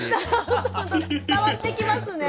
伝わってきますね。